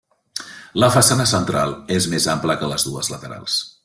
La façana central és més ampla que les dues laterals.